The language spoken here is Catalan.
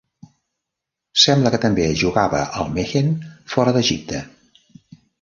Sembla que també es jugava al Mehen fora d'Egipte.